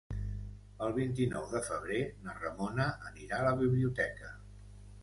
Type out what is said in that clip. El vint-i-nou de febrer na Ramona anirà a la biblioteca.